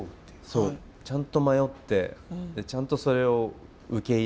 そうちゃんと迷ってちゃんとそれを受け入れて。